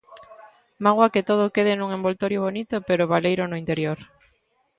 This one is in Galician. Mágoa que todo quede nun envoltorio bonito pero baleiro no interior.